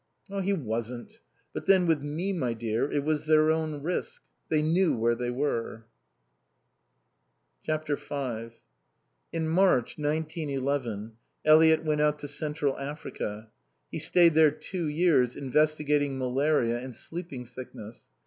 "He wasn't. But then, with me, my dear, it was their own risk. They knew where they were." v In March, nineteen eleven, Eliot went out to Central Africa. He stayed there two years, investigating malaria and sleeping sickness.